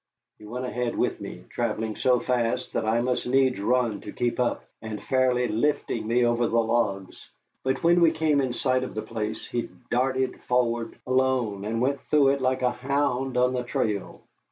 He went ahead with me, travelling so fast that I must needs run to keep up, and fairly lifting me over the logs. But when we came in sight of the place he darted forward alone and went through it like a hound on the trail.